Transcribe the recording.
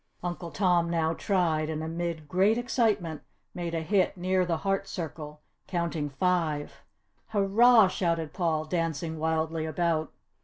Uncle Tom now tried and amid great excitement made a hit near the heart circle, counting five. "Hurrah!" shouted Paul, dancing wildly about.